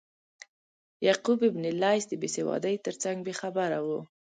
یعقوب بن لیث د بیسوادۍ ترڅنګ بې خبره و.